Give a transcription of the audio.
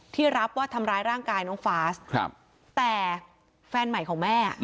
รับว่าทำร้ายร่างกายน้องฟาสแต่แฟนใหม่ของแม่